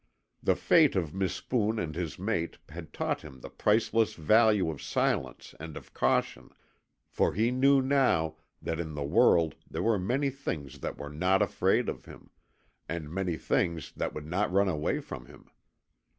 The fate of Mispoon and his mate had taught him the priceless value of silence and of caution, for he knew now that in the world there were many things that were not afraid of him, and many things that would not run away from him.